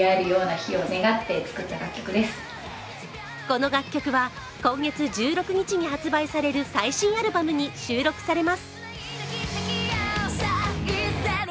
この楽曲は今月１６日に発売される最新アルバムに収録されます。